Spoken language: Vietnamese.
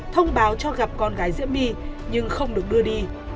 thông báo cho gặp con gái diễm my nhưng không được đưa đi